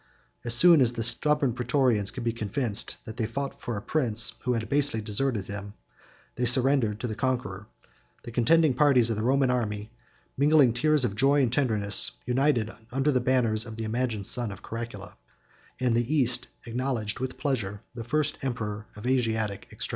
As soon as the stubborn Prætorians could be convinced that they fought for a prince who had basely deserted them, they surrendered to the conqueror: the contending parties of the Roman army, mingling tears of joy and tenderness, united under the banners of the imagined son of Caracalla, and the East acknowledged with pleasure the first emperor of Asiatic extraction.